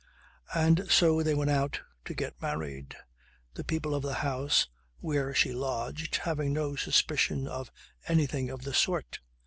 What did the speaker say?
And so they went out to get married, the people of the house where she lodged having no suspicion of anything of the sort.